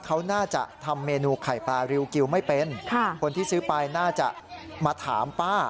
เขาน่าจะทำเมนูไข่ปลาริวกิวไม่เป็นคนที่ซื้อไปน่าจะมาถามป้า